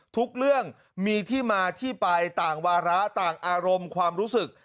ทุกเรื่องมีที่มาที่ไปต่างวาระต่างอารมณ์ความรู้สึก